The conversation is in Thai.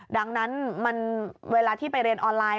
ดังนั้นมันเวลาที่ไปเรียนออนไลน